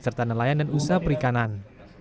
serta nelayan dan usaha perikanan